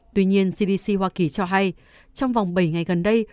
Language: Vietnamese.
tuy nhiên cdc hoa kỳ cho hay trong vòng bảy ngày gần đây